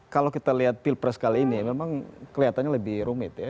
kalau kita lihat pilpres kali ini memang kelihatannya lebih rumit ya